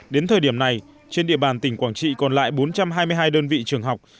đến thời điểm này trên địa bàn tỉnh quảng trị còn lại bốn trăm hai mươi hai đơn vị trường học